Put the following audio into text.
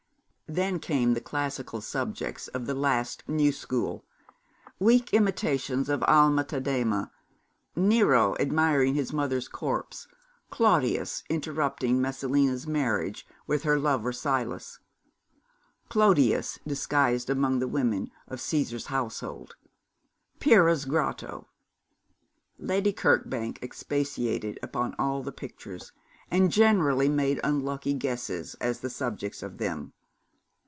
Then came the classical subjects of the last new school. Weak imitations of Alma Tadema. Nero admiring his mother's corpse; Claudius interrupting Messalina's marriage with her lover Silus; Clodius disguised among the women of Cæsar's household; Pyrrha's grotto. Lady Kirkbank expatiated upon all the pictures, and generally made unlucky guesses at the subjects of them.